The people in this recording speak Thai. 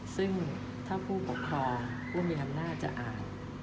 ซึ่งถ้าผู้ปกครองผู้มีอำนาจจะอ่าน